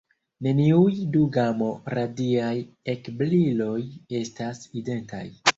Neniuj du gamo-radiaj ekbriloj estas identaj.